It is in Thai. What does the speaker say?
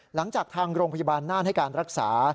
หลังจากทางโรงพยาบาลน่านให้การรักษา